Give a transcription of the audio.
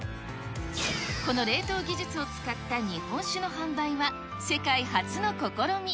この冷凍技術を使った日本酒の販売は世界初の試み。